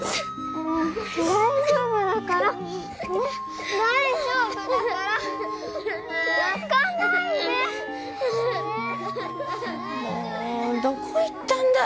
もうどこ行ったんだい？